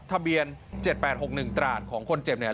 ทำเบียนเจ็บแปดหกหนึ่งตราดของคนเจ็บเนี่ย